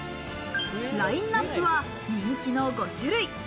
ラインナップは人気の５種類。